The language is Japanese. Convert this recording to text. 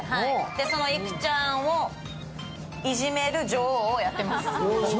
そのいくちゃんをいじめる女王をやってます。